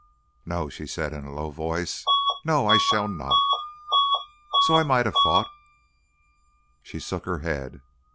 "No," she said in a low voice. "No, I shall not." "So I might have thought " She shook her head.